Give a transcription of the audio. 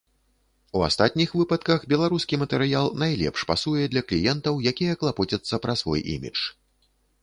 У астатніх выпадках беларускі матэрыял найлепш пасуе для кліентаў, якія клапоцяцца пра свой імідж.